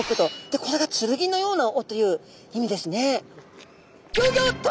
これが剣のような尾という意味ですね。